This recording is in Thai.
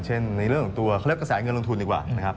เช่นในเรื่องของตัวเขาเรียกว่าเกษตรเงินลงทุนดีกว่า